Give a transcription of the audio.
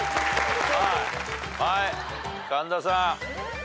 はい神田さん。